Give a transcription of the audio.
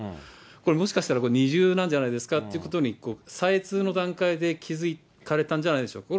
これ、もしかしたらこれ、二重なんじゃないですかって再通の段階で気付かれたんじゃないでしょうか。